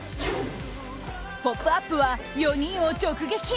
「ポップＵＰ！」は４人を直撃。